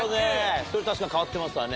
それ確かに変わってますわね。